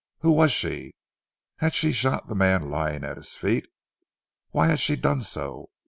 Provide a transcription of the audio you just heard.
Who was she? Had she shot the man lying at his feet? Why had she done so?